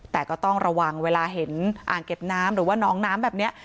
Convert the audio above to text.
แต่ก็ต้องระวังเวลาเห็นอ่างเก็บน้ำหรือว่าน้องน้ำแบบนี้